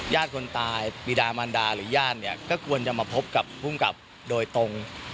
ย่าคนตายปีรามรรดาหรือย่างแบบนี้ก็ควรจะมาพบกับภูมิกับโดยตรง